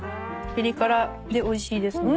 ピリ辛でおいしいですね。